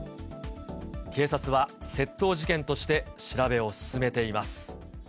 警察は窃盗事件として調べを進めています。